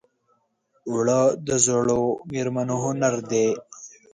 اوړه د زړو مېرمنو هنر دی